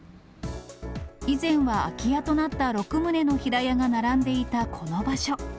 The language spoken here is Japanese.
以前は空き家となった６棟の平屋が並んでいたこの場所。